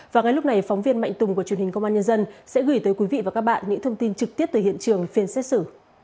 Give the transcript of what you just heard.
và ngay lúc này phóng viên mạnh tùng của truyền hình công an nhân dân sẽ gửi tới quý vị và các bạn những thông tin trực tiếp tới hiện trường phiên xét xử